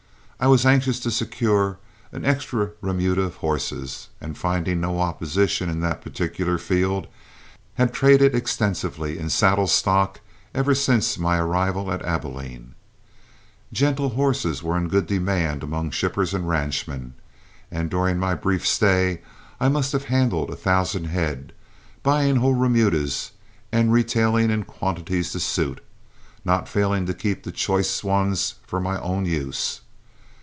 I was anxious to secure an extra remuda of horses, and, finding no opposition in that particular field, had traded extensively in saddle stock ever since my arrival at Abilene. Gentle horses were in good demand among shippers and ranchmen, and during my brief stay I must have handled a thousand head, buying whole remudas and retailing in quantities to suit, not failing to keep the choice ones for my own use.